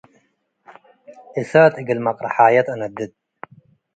እሳት እግል መቅርሓየ ተአነድድ።